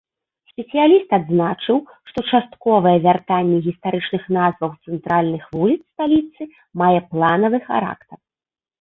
Спецыяліст адзначыў, што частковае вяртанне гістарычных назваў цэнтральных вуліц сталіцы мае планавы характар.